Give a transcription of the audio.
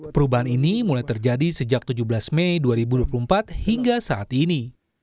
perubahan ini mulai terjadi sejak tujuh belas mei dua ribu dua puluh empat hingga saat ini